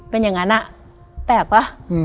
เป็นอย่างนั้นอ่ะแปลกป่ะ